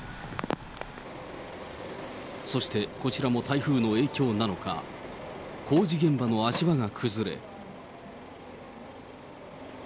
そしてこちらも台風の影響なのか、工事現場の足場が崩れ。